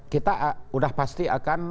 kita udah pasti akan